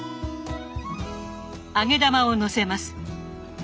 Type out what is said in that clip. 揚げ玉をのせます。